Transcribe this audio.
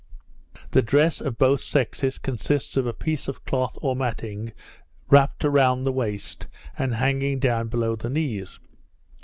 The dress of both sexes consists of a piece of cloth or matting wrapped round the waist, and hanging down below the knees.